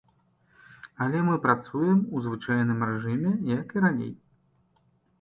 Але мы працуем у звычайным рэжыме, як і раней.